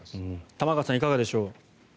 玉川さんいかがでしょう。